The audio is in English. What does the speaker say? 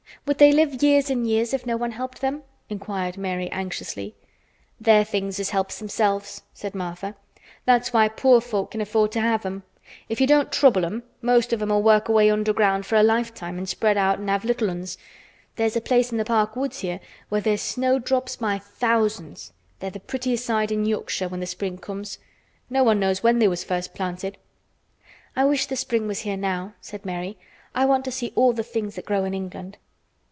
Would they live years and years if no one helped them?" inquired Mary anxiously. "They're things as helps themselves," said Martha. "That's why poor folk can afford to have 'em. If you don't trouble 'em, most of 'em'll work away underground for a lifetime an' spread out an' have little 'uns. There's a place in th' park woods here where there's snowdrops by thousands. They're the prettiest sight in Yorkshire when th' spring comes. No one knows when they was first planted." "I wish the spring was here now," said Mary. "I want to see all the things that grow in England."